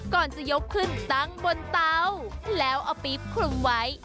ก่อนจะยกขึ้นตั้งบนเตาแล้วเอาปี๊บคลุมไว้